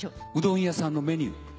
うどん屋さんのメニュー。